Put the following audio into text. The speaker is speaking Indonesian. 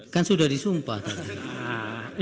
kan sudah disumpah